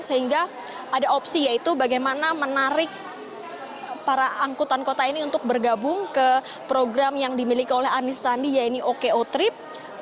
sehingga ada opsi yaitu bagaimana menarik para angkutan kota ini untuk bergabung ke program yang dimiliki oleh anies sandi yaitu oko trip